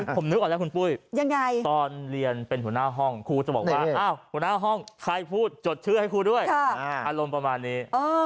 ผมนึกออกแล้วคุณปุ้ยตอนเรียนเป็นหัวหน้าห้องครูจะบอกว่าหัวหน้าห้องใครพูดจดชื่อให้ครูด้วยอารมณ์ประมาณนี้